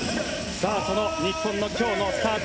その日本の今日のスタート